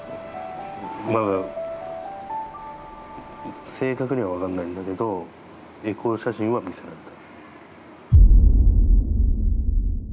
まだ正確にはわかんないんだけどエコー写真は見せられた。